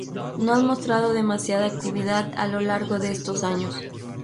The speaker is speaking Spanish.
No han mostrado demasiada actividad a lo largo de estos años.